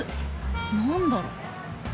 何だろう？